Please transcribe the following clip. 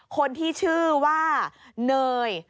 คนที่ชื่อว่าเนย